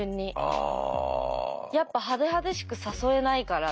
やっぱ派手派手しく誘えないから多分まだ。